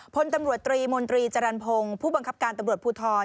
พลตำรวจตรีมนตรีจรรพงศ์ผู้บังคับการตำรวจภูทร